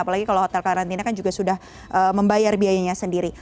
apalagi kalau hotel karantina kan juga sudah membayar biayanya sendiri